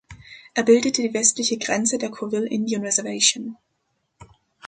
Er bildet die westliche Grenze der Colville Indian Reservation.